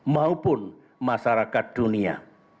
maupun masyarakat dunia